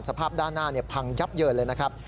สภาพด้านหน้าพังยับเยินเลยนะครับ